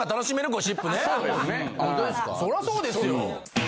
そらそうですよ。